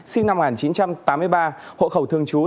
sinh năm một nghìn chín trăm tám mươi ba hộ khẩu thường trú